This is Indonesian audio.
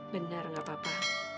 benar gak apa apa